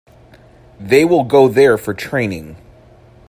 They will go there for training.